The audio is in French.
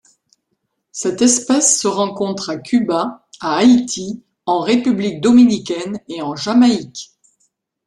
Cette espèce se rencontre à Cuba, à Haïti, en République dominicaine et en Jamaïque.